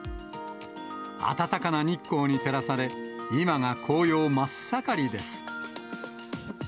暖かな日光に照らされ、今が紅葉真っ盛りです。